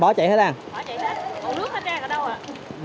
bỏ chạy hết còn nước ra ở đâu ạ